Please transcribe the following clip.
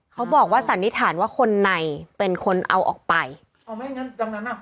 สันนิษฐานว่าคนในเป็นคนเอาออกไปอ๋อไม่งั้นตรงนั้นอ่ะ